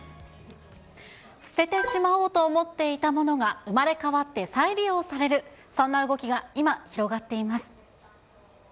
捨ててしまおうと思っていたものが、生まれ変わって再利用される、そんな動きが今、広がっています。